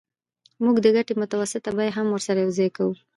موږ د ګټې متوسطه بیه هم ورسره یوځای کوو